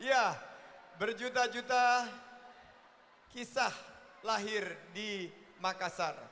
ya berjuta juta kisah lahir di makassar